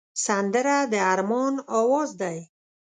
سندره د ارمان آواز دی